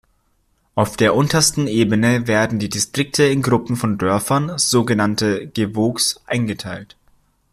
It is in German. Auf der untersten Ebene werden die Distrikte in Gruppen von Dörfern, sogenannte Gewogs eingeteilt.